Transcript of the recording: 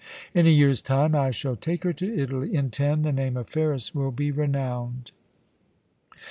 In a yearns time I shall take her to Italy ; in ten, the name of Ferris will be renowned.